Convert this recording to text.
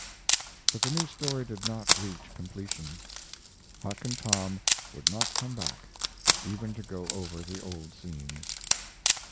But the new story did not reach completion. Huck and Tom would not come back, even to go over the old scenes.